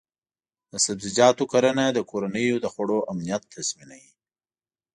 د سبزیجاتو کرنه د کورنیو د خوړو امنیت تضمینوي.